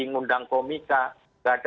mengundang komika tidak ada